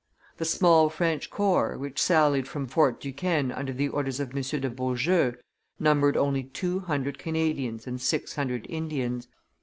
The small French corps, which sallied from Fort Duquesne under the orders of M. de Beaujeu, numbered only two hundred Canadians and six hundred Indians.